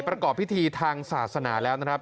ประกอบพิธีทางศาสนาแล้วนะครับ